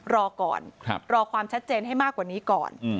รอก่อนรอความชัดเจนให้มากกว่านี้ก่อน